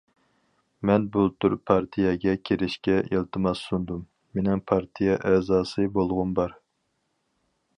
مەن بۇلتۇر پارتىيەگە كىرىشكە ئىلتىماس سۇندۇم، مېنىڭ پارتىيە ئەزاسى بولغۇم بار.